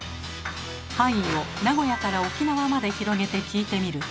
範囲を名古屋から沖縄まで広げて聞いてみると。